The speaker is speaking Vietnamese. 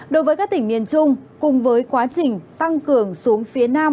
đối với các tỉnh miền trung cùng với quá trình tăng cường xuống phía nam